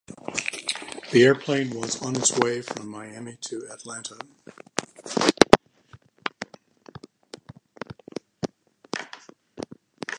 The airplane was on its way from Miami to Atlanta.